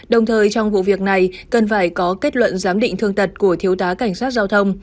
đồng thời trong vụ việc này cần phải có kết luận giám định thương tật của thiếu tá cảnh sát giao thông